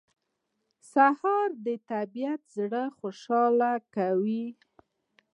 سهار د طبیعت زړه خوشاله کوي.